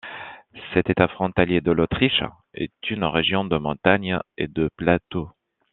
Cet État frontalier de l’Autriche est une région de montagnes et de plateaux.